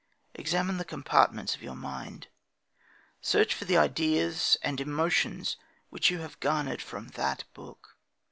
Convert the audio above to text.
Examine the compartments of your mind. Search for the ideas and emotions which you have garnered from that book.